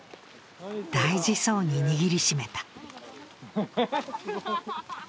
大事そうに握りしめた。